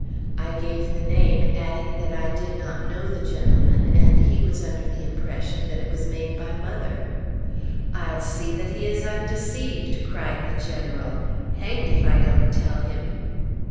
I gave the name, adding that I did not know the gentleman, and he was under the impression that it was made by mother. "I'll see that he is undeceived!" cried the General. "Hanged if I don't tell him!"